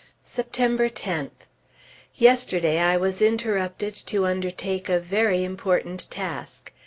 September 10th. Yesterday I was interrupted to undertake a very important task.